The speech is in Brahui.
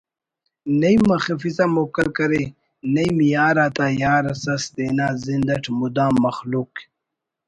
نعیم مخفسا موکل کرے نعیم یار آتا یار اس ئس تینا زند اٹ مدام مخلوق